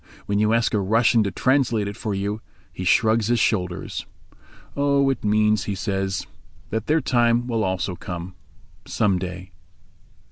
When you ask a Russian to translate it for you he shrugs his shoulders. "Oh, it means," he says, "that their time will also come—some day."